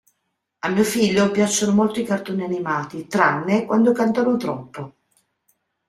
A mio figlio piacciono molto i cartoni animati, tranne quando cantano troppo.